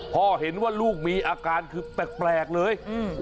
พ่อเห็นว่าลูกมีอาการคือแปลกเลย